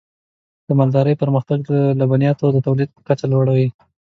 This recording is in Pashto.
د مالدارۍ پرمختګ د لبنیاتو د تولید کچه لوړوي.